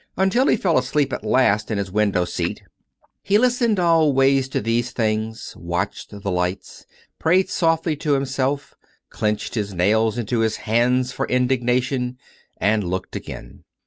Until he fell asleep at last in his window seat, he listened always to these things; watched COME RACK! COME ROPE! 355 the lights ; prayed softly to himself ; clenched his nails into his hands for indignation ; and looked again.